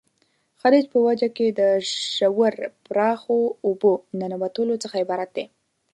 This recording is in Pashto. خلیج په وچه کې د ژورو پراخو اوبو ننوتلو څخه عبارت دی.